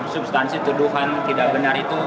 substansi tuduhan tidak benar itu